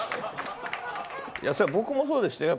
僕もそうでしたよ。